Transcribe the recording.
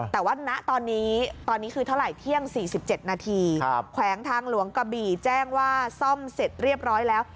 แต่ว่าณตอนนี้ตอนนี้คือเท่าไหร่เที่ยง๔๗นาทีแขวงทางหลวงกะบี่แจ้งว่าซ่อมเสร็จเรียบร้อยแล้ว